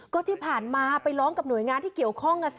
ก็ที่ผ่านมาไปร้องกับหน่วยงานที่เกี่ยวข้อง